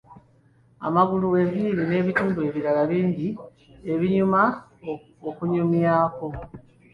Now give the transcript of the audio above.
Amagulu, enviiri, n'ebitundu ebirala bingi ebinyuma okunyumyako!